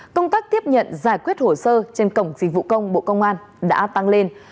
công tác tiếp nhận giải quyết hồ sơ trên cổng dịch vụ công bộ công an đã tăng lên